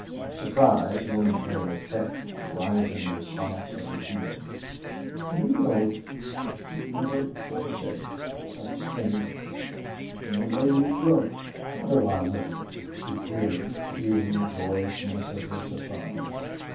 Surprise momentarily checked the rising response of her feeling. "Neale! You've never before said such things!... And the way you look!" "How do I look?" he queried, seeing the joyousness of her surprise.